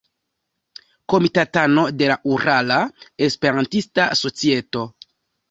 Komitatano de la Urala Esperantista Societo.